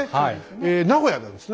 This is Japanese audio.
え名古屋なんですね？